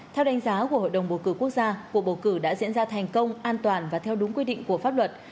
theo đánh giá của hội đồng bầu cử quốc gia cuộc bầu cử đã diễn ra thành công an toàn và theo đúng quy định của pháp luật